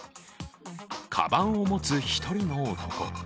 かばんを持つ１人の男。